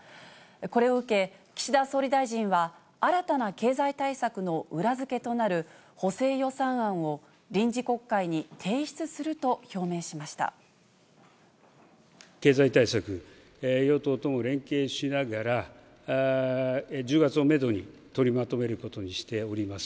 これを受け、岸田総理大臣は、新たな経済対策の裏付けとなる補正予算案を臨時国会に提出すると経済対策、与党とも連携しながら、１０月をメドに取りまとめることにしております。